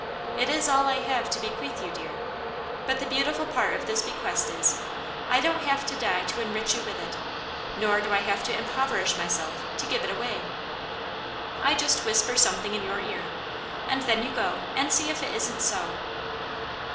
It is all I have to bequeath you, dear. But the beautiful part of this bequest is, I don't have to die to enrich you with it, nor do I have to impoverish myself to give it away. I just whisper something in your ear and then you go and see if it isn't so."